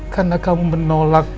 karena kamu menolak